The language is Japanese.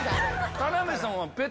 田辺さんは。